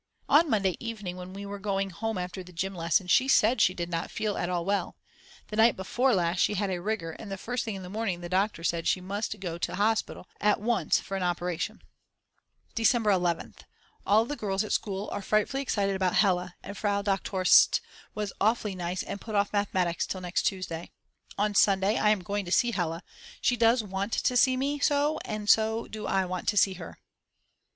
On Monday evening, when we were going home after the gym lesson, she said she did not feel at all well. The night before last she had a rigor and the first thing in the morning the doctor said that she must go to hospital at once for an operation. December 11th. All the girls at school are frightfully excited about Hella, and Frau Dr. St. was awfully nice and put off mathematics till next Tuesday. On Sunday I am going to see Hella. She does want to see me so and so do I want to see her.